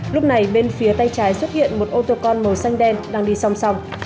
lúc này bên phía tay trái xuất hiện một ô tô con màu xanh đen đang đi song song